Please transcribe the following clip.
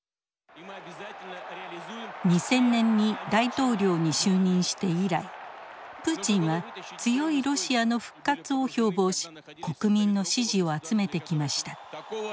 ２０００年に大統領に就任して以来プーチンは「強いロシアの復活」を標榜し国民の支持を集めてきました。